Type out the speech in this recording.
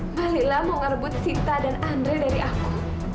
mba lila mau ngerebut sinta dan andre dari aku